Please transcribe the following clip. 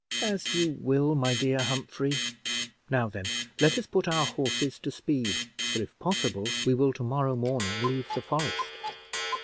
"As you will, my dear Humphrey. Now then, let us put our horses to speed, for, if possible, we will, to morrow morning, leave the forest."